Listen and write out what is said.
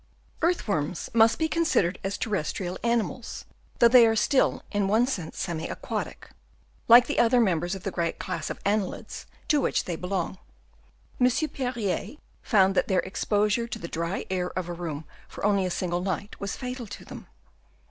Earth worms must be considered as terres trial animals, though they are still in one sense semi aquatic, like the other members of the great class of annelids to which they belong. M. Perrier found that their ex posure to the dry air of a room for only a single night was fatal to them.